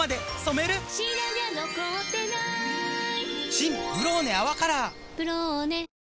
新「ブローネ泡カラー」「ブローネ」